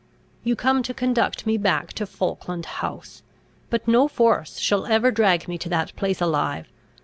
You come to conduct me back to Falkland House; but no force shall ever drag me to that place alive.